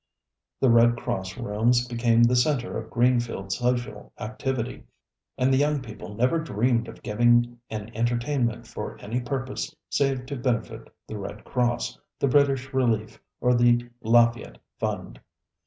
The Red Cross rooms became the centre of Greenfield social activity, and the young people never dreamed of giving an entertainment for any purpose save to benefit the Red Cross, the British Relief or the Lafayette Fund.